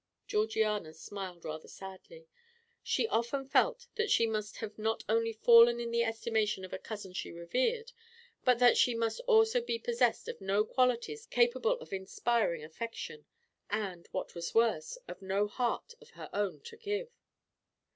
Georgiana smiled rather sadly; she often felt that she must have not only fallen in the estimation of a cousin she revered, but that she must also be possessed of no qualities capable of inspiring affection, and what was even worse, of no heart of her own to give.